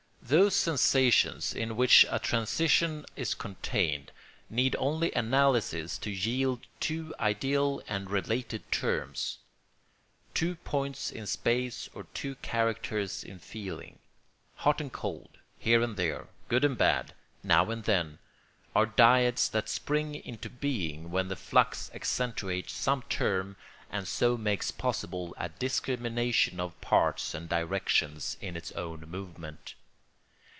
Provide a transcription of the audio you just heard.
] Those sensations in which a transition is contained need only analysis to yield two ideal and related terms—two points in space or two characters in feeling. Hot and cold, here and there, good and bad, now and then, are dyads that spring into being when the flux accentuates some term and so makes possible a discrimination of parts and directions in its own movement.